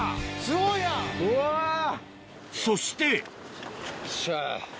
そしてよっしゃ。